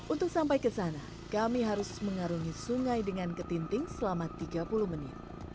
untuk sampai ke sana kami harus mengarungi sungai dengan ketinting selama tiga puluh menit